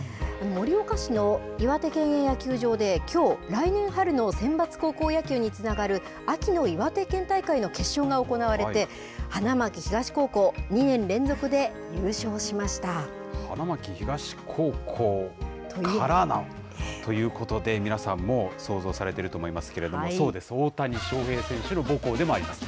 盛岡市の岩手県営野球場で、きょう、来年春のセンバツ高校野球につながる秋の岩手県大会の決勝が行われて、花巻東高校、２年連続花巻東高校からのということで、皆さんも想像されてると思いますけれども、そうです、大谷翔平選手の母校でもあります。